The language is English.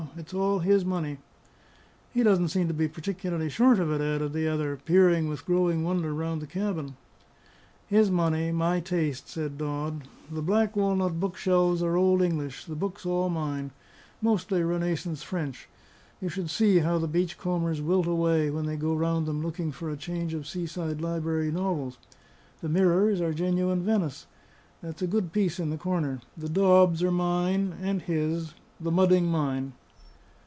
It's all his money." "He doesn't seem to be particularly short of it," added the other, peering with growing wonder round the cabin. "His money, my taste," said Dodd. "The black walnut bookshelves are Old English; the books all mine, mostly Renaissance French. You should see how the beach combers wilt away when they go round them looking for a change of Seaside Library novels. The mirrors are genuine Venice; that's a good piece in the corner. The daubs are mine and his; the mudding mine."